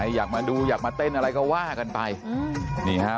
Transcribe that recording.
อยากมาดูอยากมาเต้นอะไรก็ว่ากันไปอืมนี่ฮะ